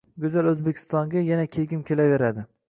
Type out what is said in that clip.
Go‘zal O‘zbekistonga yana kelgim kelaveradi